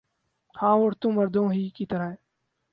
ہاں عورتیں مردوں ہی کی طرح ہیں